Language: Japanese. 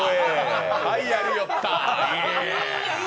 はい、やりよった！